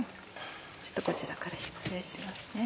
ちょっとこちらから失礼しますね。